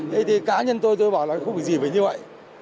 thế thì cá nhân tôi tôi bảo là không có gì phải như vậy